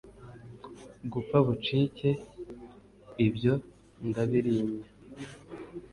gupfa bucike ! ibyo ndabirinya